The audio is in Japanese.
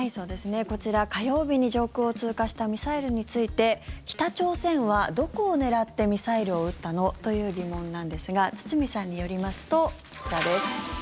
こちら、火曜日に上空を通過したミサイルについて北朝鮮はどこを狙ってミサイルを撃ったの？という疑問なんですが堤さんによりますとこちらです。